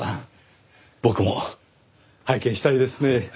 僕も拝見したいですねぇ。